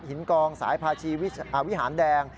กองสายพาชีวิหารแดง